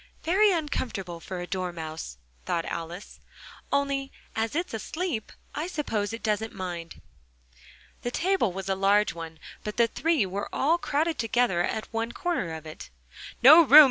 "Very uncomfortable for the Dormouse," thought Alice; "only, as it's asleep, I suppose it doesn't mind." The table was a large one, but the three were all crowded together at one corner of it: "No room!